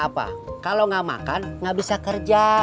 kata apa kalau gak makan gak bisa kerja